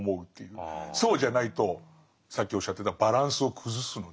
そうじゃないとさっきおっしゃってたバランスを崩すので。